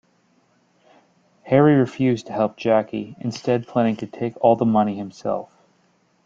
Harry refuses to help Jackie, instead planning to take all the money himself.